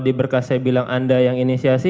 diberkas saya bilang anda yang inisiasi